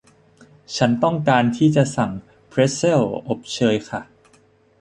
ฉันต้องการที่จะสั่งเพรทเซลอบเชยค่ะ